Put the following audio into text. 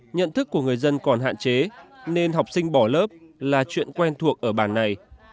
nhận thức của người dân còn hạn chế nên học sinh bỏ lớp là chuyện quen thuộc ở bản này